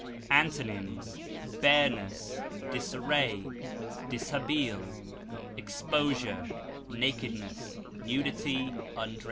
Antonyms: bareness, dishabille, exposure, nakedness, nudity, undress.